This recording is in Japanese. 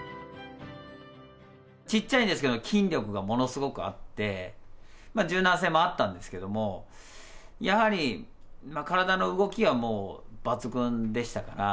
ちっちゃいんですけど、筋力がものすごくあって、柔軟性もあったんですけども、やはり体の動きはもう抜群でしたから。